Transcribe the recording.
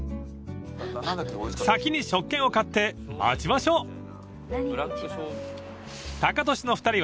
［先に食券を買って待ちましょう］